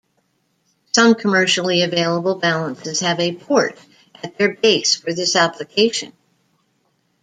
Some commercially available balances have a port at their base for this application.